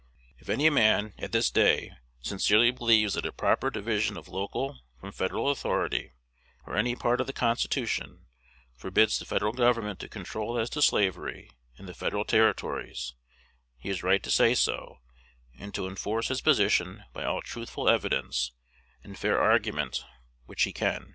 If any man, at this day, sincerely believes that a proper division of local from Federal authority, or any part of the Constitution, forbids the Federal Government to control as to slavery in the Federal Territories, he is right to say so, and to enforce his position by all truthful evidence and fair argument which he can.